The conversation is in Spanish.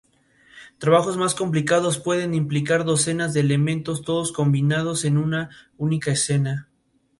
Trabajos más complicados pueden implicar docenas de elementos, todos combinados en una única escena.